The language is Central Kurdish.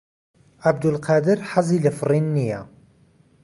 عەبدولقادر حەزی لە فڕین نییە.